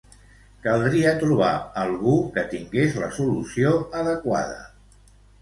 Caldria trobar algú que tingués la solució adequada.